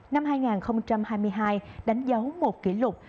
năm hai nghìn hai mươi hai đánh dấu một kỷ lục